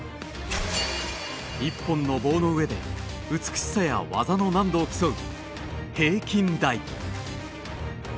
１本の棒の上で美しさや技の難度を競う平均台。